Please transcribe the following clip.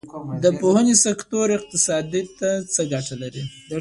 د پوهنې سکتور اقتصاد ته څه ګټه لري؟